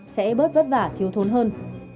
sẽ bớt vất vả thiếu thốn hơn